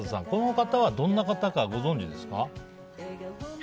この方はどんな方かご存じですか？